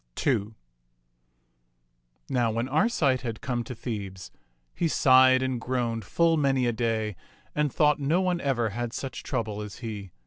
"] II Now when Arcite had come to Thebes, he sighed and groaned full many a day and thought no one ever had such trouble as he.